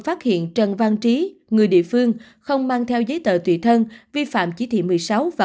phát hiện trần văn trí người địa phương không mang theo giấy tờ tùy thân vi phạm chỉ thị một mươi sáu và